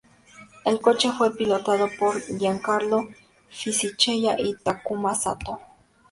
El coche fue pilotado por Giancarlo Fisichella y Takuma Satō.